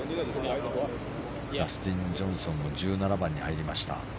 ダスティン・ジョンソンの１７番に入りました。